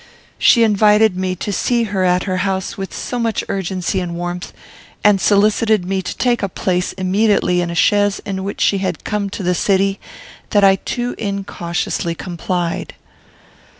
She invited me to see her at her house with so much urgency and warmth, and solicited me to take a place immediately in a chaise in which she had come to the city, that I too incautiously complied.